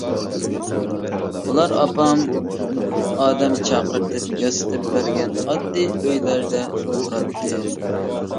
ئۇلار ئاپام ئادەم چاقىرتىپ ياسىتىپ بەرگەن ئاددىي ئۆيلەردە تۇراتتى.